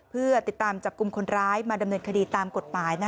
เพื่อติดตามจับกลุ่มคนร้ายมาดำเนินคดีตามกฎหมาย